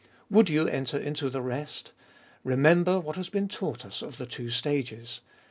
Would you enter into the rest ? Remember what has been taught us of the two stages.